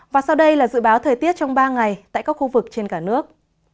và sau đây là dự báo thời tiết trong ba ngày tại các khu vực trên cả nước